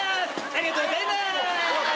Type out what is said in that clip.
ありがとうございます。